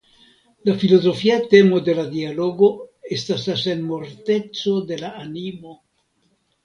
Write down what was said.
La filozofia temo de la dialogo estas la senmorteco de la animo.